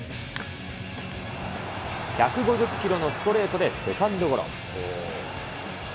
１５０キロのストレートでセカンドゴロ。